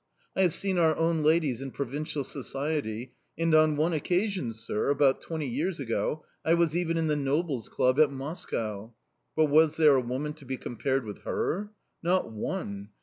I have seen our own ladies in provincial society; and on one occasion, sir, about twenty years ago, I was even in the Nobles' Club at Moscow but was there a woman to be compared with her? Not one!